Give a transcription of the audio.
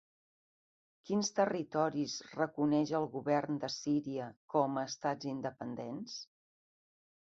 Quins territoris reconeix el govern de Síria com a estats independents?